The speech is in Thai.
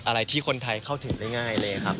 อะไรที่คนไทยเข้าถึงได้ง่ายเลยครับ